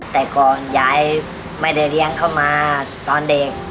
แต่ก่อนยายไม่ได้เลี้ยงเข้ามาตอนเด็ก